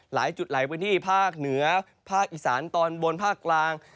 หลายจุดหลายพื้นที่ภาคเหนือภาคอีสานตอนบนภาคกลาง